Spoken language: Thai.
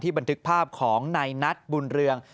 บันทึกภาพของนายนัทบุญเรือง